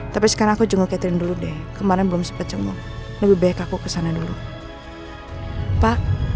tapi sekarang aku juga catherine dulu deh kemarin belum sempet cemuk lebih baik aku kesana dulu pak